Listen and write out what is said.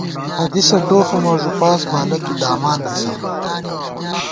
حدیثہ ٹوخہ مہ ݫُپاس بالہ تُو دامان دِسہ